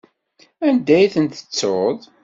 Anda i ten-tettuḍ?